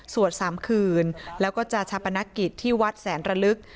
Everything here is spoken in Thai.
๓คืนแล้วก็จะชาปนกิจที่วัดแสนระลึก